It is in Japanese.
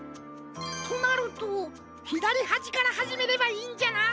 となるとひだりはじからはじめればいいんじゃな。